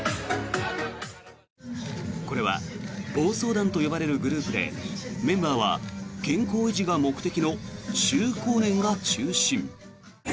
これは暴走団と呼ばれるグループでメンバーは健康維持が目的の中高年が中心。